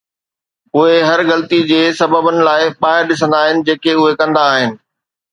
اهي هر غلطي جي سببن لاء ٻاهر ڏسندا آهن جيڪي اهي ڪندا آهن.